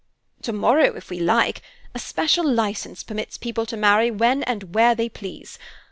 "Tomorrow, if we like. A special license permits people to marry when and where they please.